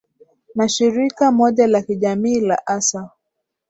na shirika moja la kijamii la assa